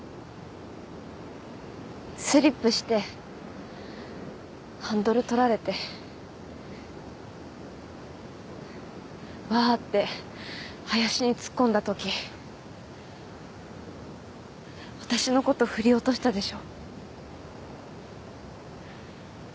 スリップしてハンドル取られてわーって林に突っ込んだとき私のこと振り落としたでしょ？